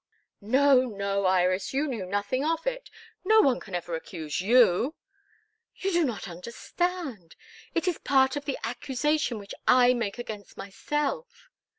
"No, no, Iris; you knew nothing of it. No one can ever accuse you " "You do not understand. It is part of the accusation which I make against myself."